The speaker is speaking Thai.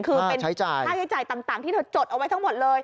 คือเป็นค่าใช้จ่ายต่างที่เธอจดเอาไว้ทั้งหมดเลย